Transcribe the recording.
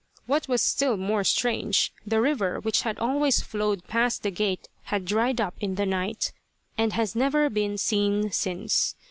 What was still more strange, the river which had always flowed past the gate had dried up in the night, and has never been seen since.